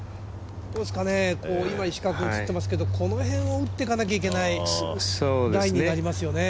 今、石川君が映ってますけどこの辺を打っていかなきゃいけない、ラインになりますよね。